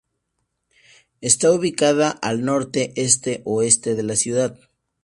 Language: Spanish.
Está ubicada al norte-este-oeste de la ciudad.